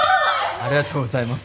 ありがとうございます。